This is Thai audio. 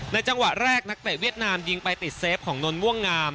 จังหวะแรกนักเตะเวียดนามยิงไปติดเซฟของนนทม่วงงาม